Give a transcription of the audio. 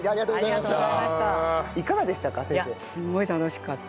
いやすごい楽しかった。